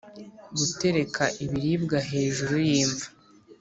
Gutereka ibiribwa hejuru y’imva,